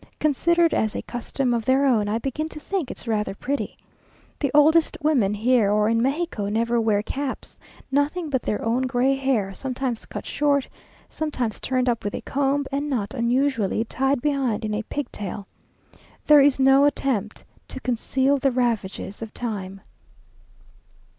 Considered as a costume of their own, I begin to think it rather pretty. The oldest women here or in Mexico never wear caps; nothing but their own gray hair, sometimes cut short, sometimes turned up with a comb, and not unusually tied behind in a pigtail. There is no attempt to conceal the ravages of time....